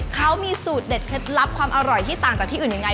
เขามีสูตรเด็ดเคล็ดลับความอร่อยที่ต่างจากที่อื่นยังไง